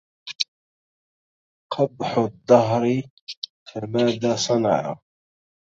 قبح الدهر فماذا صنعا